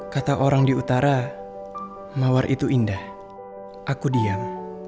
kata orang di utara mawar itu indah aku diam